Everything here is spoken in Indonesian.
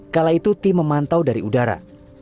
kala itu tim memantau dari udara